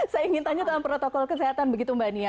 saya ingin tanya tentang protokol kesehatan begitu mbak nia